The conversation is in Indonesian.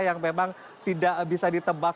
yang memang tidak bisa ditebak